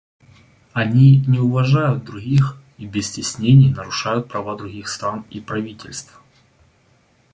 Они не уважают других и без стеснений нарушают права других стран и правительств.